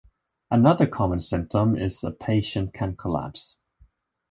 Another common symptom is a patient can collapse.